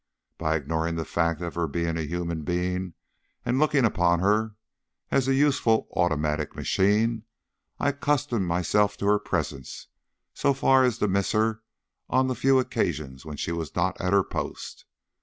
By ignoring the fact of her being a human being, and looking upon her as a useful automatic machine, I accustomed myself to her presence so far as to miss her on the few occasions when she was not at her post.